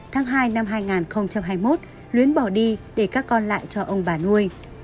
tháng hai năm hai nghìn hai mươi một luyến bỏ đi để các con lại cho ông bà nuôi